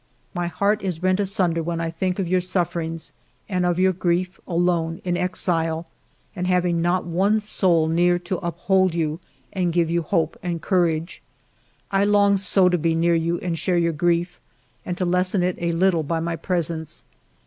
My heart is rent asunder when I think of your sufferings and of your grief, alone, in exile, and having not one soul near to uphold you and give you hope and courage. I long so to be near you and share your grief, and to lessen it a little by my presence.